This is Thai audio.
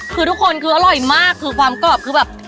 คือทุกคนคืออร่อยมากคือความกรอบคือแบบ